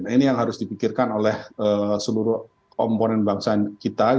ini yang harus dipikirkan oleh seluruh komponen bangsa kita